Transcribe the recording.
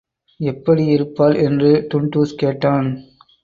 எப்படியிருப்பாள்? என்று டுன்டுஷ் கேட்டான்.